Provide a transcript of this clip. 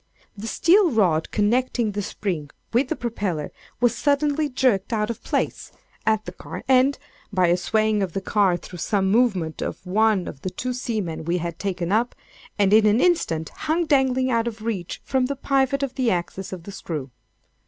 The steel rod connecting the spring with the propeller was suddenly jerked out of place, at the car end, (by a swaying of the car through some movement of one of the two seamen we had taken up,) and in an instant hung dangling out of reach, from the pivot of the axis of the screw.